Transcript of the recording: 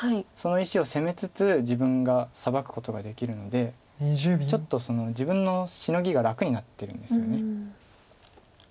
その石を攻めつつ自分がサバくことができるのでちょっと自分のシノギが楽になってるんですよね。